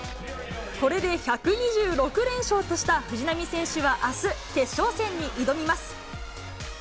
これで１２６連勝とした藤波選手はあす、決勝戦に挑みます。